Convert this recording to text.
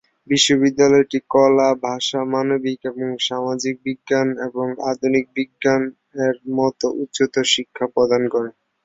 বিশ্ববিদ্যালয়টি কলা, ভাষা, মানবিক, সামাজিক বিজ্ঞান এবং আধুনিক বিজ্ঞান এর মত উচ্চতর শিক্ষা প্রদান করে।